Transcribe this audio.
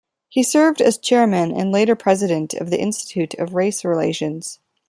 He served as chairman and later president of the Institute of Race Relations.